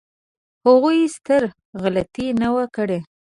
هغوی ستره غلطي نه وه کړې.